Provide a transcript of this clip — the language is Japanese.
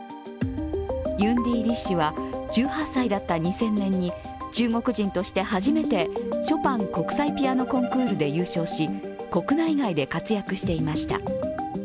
ユンディ・リ氏は１８歳だった２０００年に中国人として初めてショパン国際ピアノコンクールで優勝し国内外で活躍していました。